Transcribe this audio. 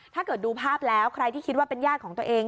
ถ้าเกิดดูภาพแล้วใครที่คิดว่าเป็นญาติของตัวเอง